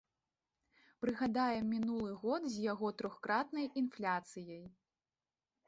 Прыгадаем мінулы год з яго трохкратнай інфляцыяй.